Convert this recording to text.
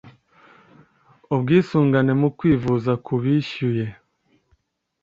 ubwisungane mu kwivuza ku bishyuye